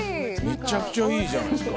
めちゃくちゃいいじゃないですか。